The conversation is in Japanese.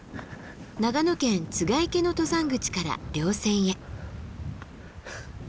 長野県栂池の登山口から稜線へ。